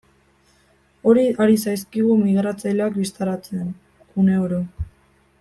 Hori ari zaizkigu migratzaileak bistaratzen, uneoro.